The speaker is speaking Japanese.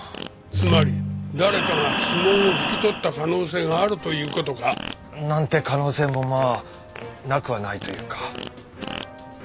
つまり誰かが指紋を拭き取った可能性があるという事か？なんて可能性もまあなくはないというか。